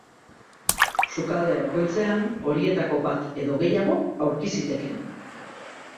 Sukalde bakoitzean, horietako bat edo gehiago aurki zitekeen.